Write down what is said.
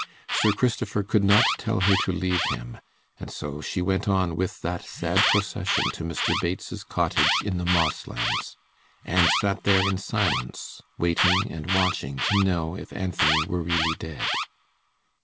Sir Christopher could not tell her to leave him, and so she went on with that sad procession to Mr. Bates's cottage in the Mosslands, and sat there in silence, waiting and watching to know if Anthony were really dead.